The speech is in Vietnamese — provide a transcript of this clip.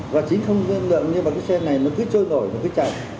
và chính không gương lượng như xe này nó cứ trôi đổi nó cứ chạy